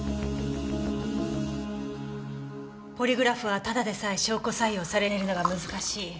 ポリグラフはただでさえ証拠採用されるのが難しい。